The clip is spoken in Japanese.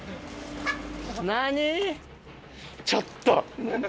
何⁉ちょっと！